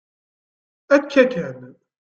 Akka kan!